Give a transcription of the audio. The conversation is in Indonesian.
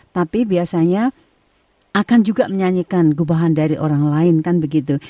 tapi biasanya akan juga menyanyikan gubahan dari orang lain kan begitu